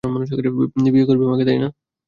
বিয়ে করবি আমাকে?